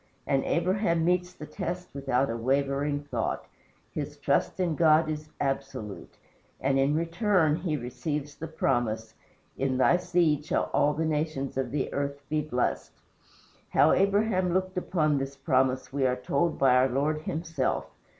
And Abraham meets the test without a wavering thought; his trust in God is absolute: and in return he receives the promise, "In THY SEED shall all the nations of the earth be blessed." How Abraham looked upon this promise we are told by our Lord himself.